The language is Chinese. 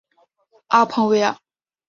阿彭维尔。